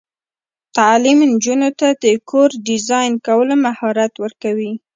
تعلیم نجونو ته د کور ډیزاین کولو مهارت ورکوي.